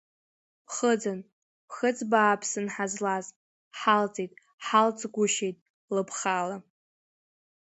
Ԥхыӡын, ԥхыӡ бааԥсын ҳазлаз, ҳалҵит, халҵгәышьеит лыԥхала.